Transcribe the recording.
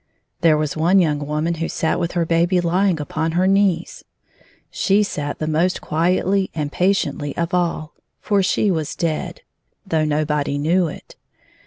There was one young woman who sat with her baby lymg upon her knees. She sat the most quietly and pa tiently of all, for she was dead, though nobody knew it.